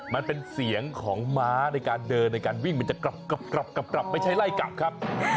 มันเป็นเสียงของม้าในการเดินในการวิ่งมันจะกลับกลับไม่ใช่ไล่กลับครับ